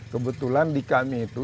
kebetulan di kami itu